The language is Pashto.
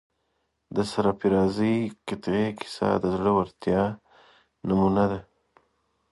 د سرافرازۍ قلعې کیسه د زړه ورتیا نمونه ده.